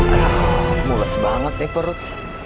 aduh mulas banget nih perut